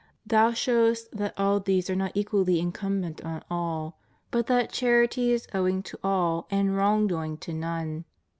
Thou showest that all these are not equally in cumbent on all, but that charity is owing to all, and wrong doing to none."